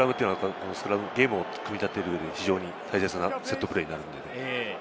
ゲームを組み立てる上で大切なセットプレーになるので。